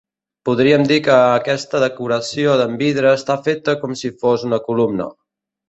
Podríem dir que aquesta decoració en vidre està feta com si fos una columna.